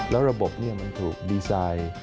แล้วระบบนี้มันถูกดีไซน์